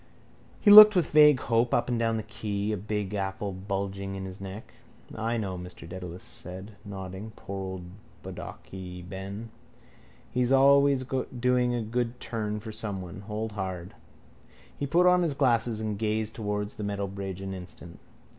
He looked with vague hope up and down the quay, a big apple bulging in his neck. —I know, Mr Dedalus said, nodding. Poor old bockedy Ben! He's always doing a good turn for someone. Hold hard! He put on his glasses and gazed towards the metal bridge an instant.